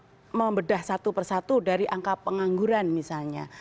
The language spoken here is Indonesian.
kalau kita membedah satu persatu dari angka pengangguran misalnya